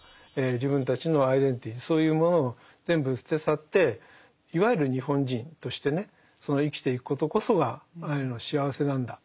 自分たちのアイデンティティーそういうものを全部捨て去っていわゆる日本人としてねその生きていくことこそがアイヌの幸せなんだ。